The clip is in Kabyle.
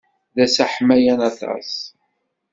D ass aḥmayan aṭas.